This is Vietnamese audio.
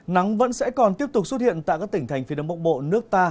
nắng vẫn sẽ còn tiếp tục xuất hiện tại các tỉnh thành phía đông bắc bộ nước ta